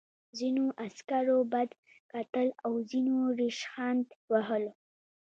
ځینو عسکرو بد کتل او ځینو ریشخند وهلو